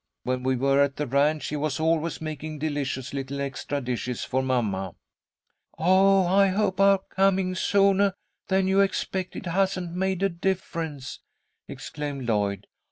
When we were at the ranch, he was always making delicious little extra dishes for mamma." "Oh, I hope our coming soonah than you expected hasn't made a difference!" exclaimed Lloyd.